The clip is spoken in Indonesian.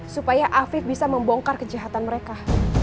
supaya afif bisa membongkar kejahatan mereka